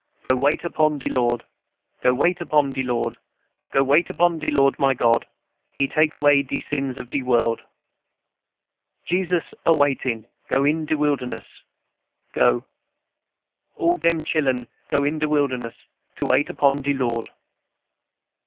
Go wait upon de Lord, Go wait upon de Lord, Go wait upon de Lord, my God, He take away de sins of de world. "Jesus a waitin'. Go in de wilderness, Go, &c. All dem chil'en go in de wilderness To wait upon de Lord."